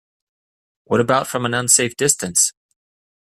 What about from an unsafe distance?